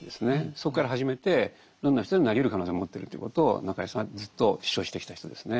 そこから始めてどんな人でもなりうる可能性持ってるということを中井さんはずっと主張してきた人ですね。